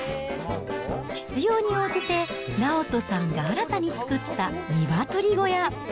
必要に応じて、直人さんが新たに作った鶏小屋。